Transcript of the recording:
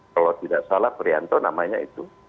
kalau tidak salah prianto namanya itu